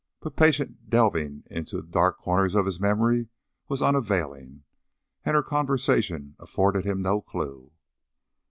But patient delving into the dark corners of his memory was unavailing, and her conversation afforded him no clue.